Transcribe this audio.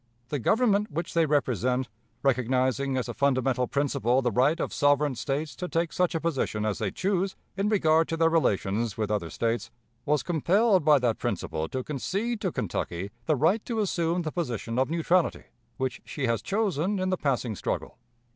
The Government which they represent, recognizing as a fundamental principle the right of sovereign States to take such a position as they choose in regard to their relations with other States, was compelled by that principle to concede to Kentucky the right to assume the position of neutrality, which she has chosen in the passing struggle.